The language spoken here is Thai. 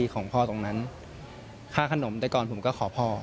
ของพ่อตรงนั้นค่าขนมแต่ก่อนผมก็ขอพ่อ